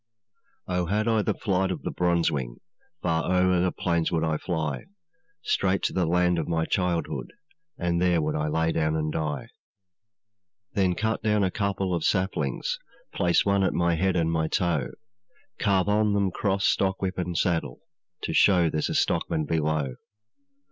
'Oh! had I the flight of the bronzewing, Far o'er the plains would I fly, Straight to the land of my childhood, And there I would lay down and die. 'Then cut down a couple of saplings, Place one at my head and my toe, Carve on them cross, stockwhip, and saddle, To show there's a stockman below.